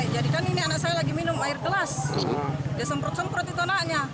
jadi kan ini anak saya lagi minum air gelas dia semprot semprot itu anaknya